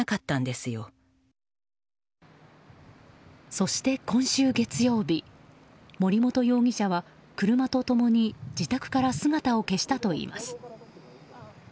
そして今週月曜日森本容疑者は、車と共に自宅から姿を消したといいます。